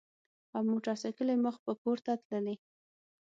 او موټر ساېکلې مخ پۀ پورته تللې ـ